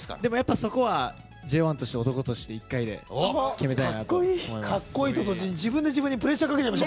そこはＪＯ１として、男として１回で決めたいなと思います！